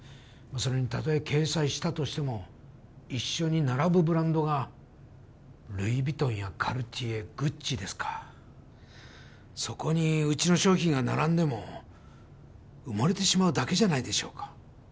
それにたとえ掲載したとしても一緒に並ぶブランドがルイ・ヴィトンやカルティエグッチですかそこにうちの商品が並んでも埋もれてしまうだけじゃないでしょうか？